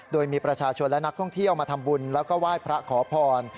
โดยมีประชาชนและนักท่องเที่ยวมาทำบุญแล้วก็ไหว้พระขอพร